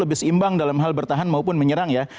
lebih seimbang dalam hal bertahan maupun menyerang ya